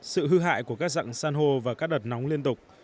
sự hư hại của các dạng san hô và các đợt nóng liên tục